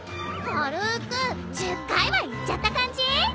軽く１０回は言っちゃった感じ？